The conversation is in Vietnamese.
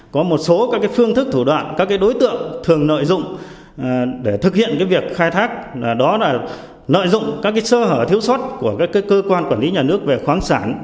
có một số các phương thức thủ đoạn các đối tượng thường nợ dụng để thực hiện việc khai thác đó là nợ dụng các sơ hở thiếu suất của cơ quan quản lý nhà nước về khoáng sản